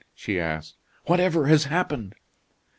she asked. "Whatever has happened?"